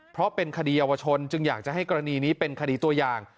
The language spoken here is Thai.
เพราะเป็นคดีเยาวชนจึงอยากจะให้กรณีนี้เป็นคดีตัวอย่าง